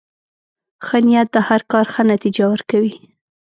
ښه نیت د هر کار ښه نتیجه ورکوي.